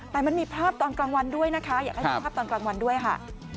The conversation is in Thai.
แต่มันมีภาพตอนกลางวันด้วยนะคะอยากให้ดูภาพตอนกลางวันด้วยค่ะ